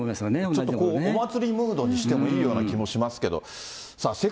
ちょっとお祭りムードにしてもいいような気もしますけど。